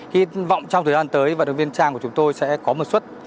khi vọng trong thời gian tới vận động viên trang của chúng tôi sẽ có một xuất